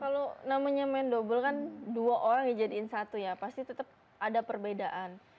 kalau namanya main double kan dua orang dijadiin satu ya pasti tetap ada perbedaan